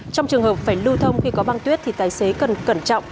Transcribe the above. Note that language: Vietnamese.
trong trường hợp phải lưu thông khi có băng tuyết thì tài xế cần cẩn trọng